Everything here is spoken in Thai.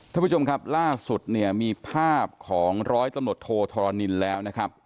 ท่านผู้ชมครับล่าสุดเนี่ยมีภาพของร้อยตำรวจโทธรณินแล้วนะครับ